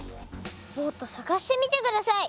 もっとさがしてみてください。